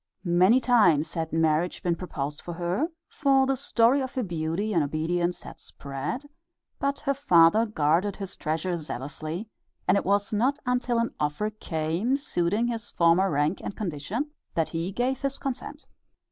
Many times had marriage been proposed for her, for the story of her beauty and obedience had spread, but her father guarded his treasure zealously, and it was not until an offer came, suiting his former rank and condition, that he gave his consent.